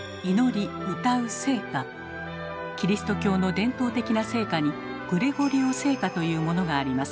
キリスト教の伝統的な聖歌に「グレゴリオ聖歌」というものがあります。